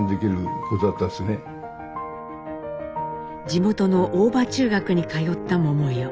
地元の大場中学に通った百代。